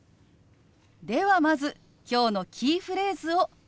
ではまず今日のキーフレーズを見てみましょう。